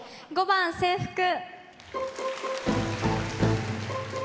５番「制服」。